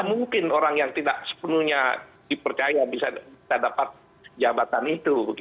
mungkin orang yang tidak sepenuhnya dipercaya bisa dapat jabatan itu